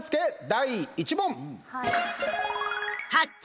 第１問！